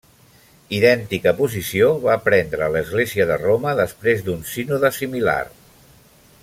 Idèntica posició va prendre l'església de Roma després d'un sínode similar.